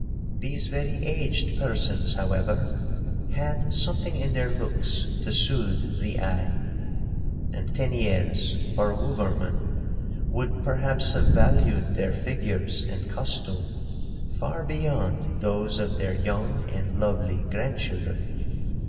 'These very aged persons, however, had something in their looks to soothe the eye, and Teniers or Wouverman would perhaps have valued their figures and costume far beyond those of their young and lovely grandchildren.